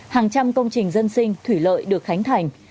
hàng trăm công trình dân sinh thủy lợi được khánh thành